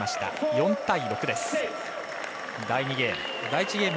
４対６です、第２ゲーム。